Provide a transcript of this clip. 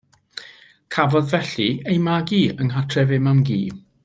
Cafodd, felly, ei magu yng nghartref ei mam-gu.